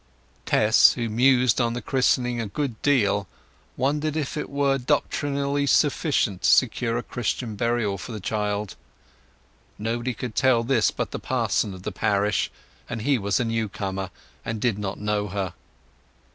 Tess, who mused on the christening a good deal, wondered if it were doctrinally sufficient to secure a Christian burial for the child. Nobody could tell this but the parson of the parish, and he was a new comer, and did not know her.